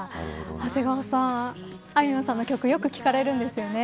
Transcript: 長谷川さん、あいみょんの曲よく聞かれるんですよね。